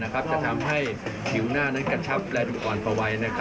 จะทำให้ผิวหน้านั้นกระชับและหยุดอ่อนไปไว้